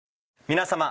皆様。